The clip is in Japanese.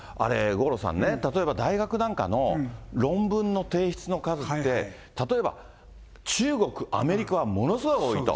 五郎さんね、例えば大学なんかの論文の提出の数って、例えば、中国、アメリカはものすごい多いと。